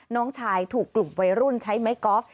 น้องชายถูกกลุ่มวัยรุ่นใช้ไม้กอล์ฟ